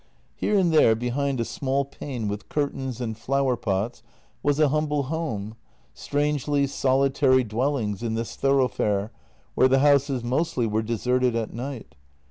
Here and there behind a small pane with curtains and flower pots was a humble home — strangely solitary dwellings in this thoroughfare, where the houses mostly were deserted at night.